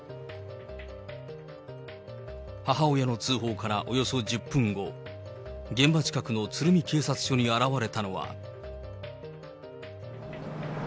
母親の通報からおよそ１０分後、現場近くの鶴見警察署に現れたのは。